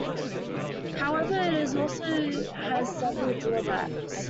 However, it also has several drawbacks.